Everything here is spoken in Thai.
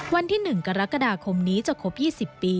วันที่๑กรกฎาคมนี้จะครบ๒๐ปี